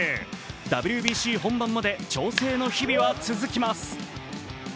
ＷＢＣ本番まで調整の日々は続きます。